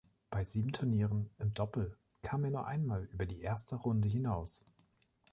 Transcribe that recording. Bei sieben Turnieren im Doppel kam er nur einmal über die erste Runde hinaus.